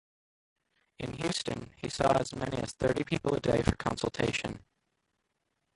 In Houston, he saw as many as thirty people a day for consultation.